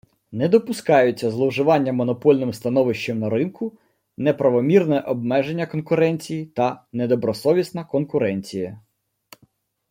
Не допускаються зловживання монопольним становищем на ринку, неправомірне обмеження конкуренції та недобросовісна конкуренція